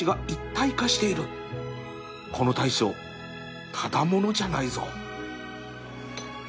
この大将ただ者じゃないぞ